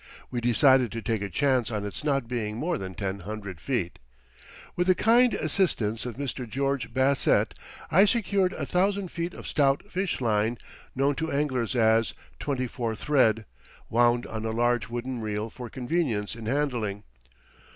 We decided to take a chance on its not being more than ten hundred feet. With the kind assistance of Mr. George Bassett, I secured a thousand feet of stout fish line, known to anglers as "24 thread," wound on a large wooden reel for convenience in handling.